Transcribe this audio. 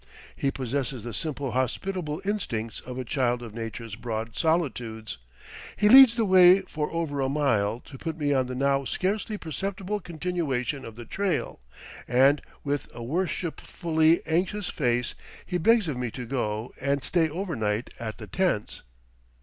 He possesses the simple hospitable instincts of a child of Nature's broad solitudes; he leads the way for over a mile to put me on the now scarcely perceptible continuation of the trail, and with a worshipfully anxious face he begs of me to go and stay over night at the tents.